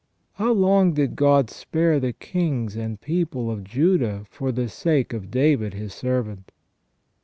How long did God spare the kings and people of Juda for the sake of David His servant?